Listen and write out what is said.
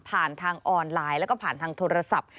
ทางออนไลน์แล้วก็ผ่านทางโทรศัพท์